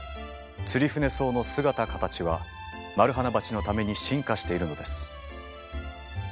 ツリフネソウの姿形はマルハナバチのために進化しているのです。